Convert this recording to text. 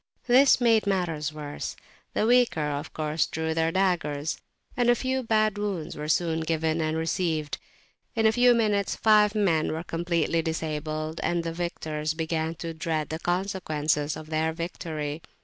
This made matters worse. The weaker of course drew their daggers, and a few bad wounds were soon given and received. In a few minutes five men were completely disabled, and the victors began to dread the consequences of their victory.